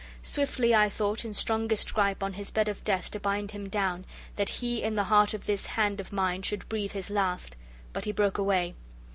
Swiftly, I thought, in strongest gripe on his bed of death to bind him down, that he in the hent of this hand of mine should breathe his last: but he broke away.